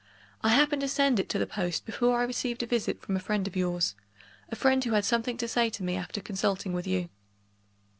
I happened to send it to the post, before I received a visit from a friend of yours a friend who had something to say to me after consulting with you."